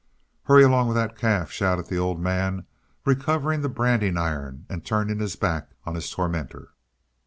"Hurry along with that calf!" shouted the Old Man, recovering the branding iron and turning his back on his tormentor.